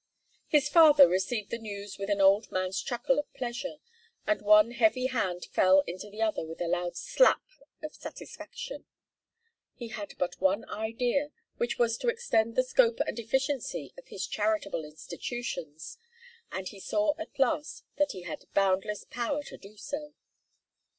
His father received the news with an old man's chuckle of pleasure, and one heavy hand fell into the other with a loud slap of satisfaction. He had but one idea, which was to extend the scope and efficiency of his charitable institutions, and he saw at last that he had boundless power to do so.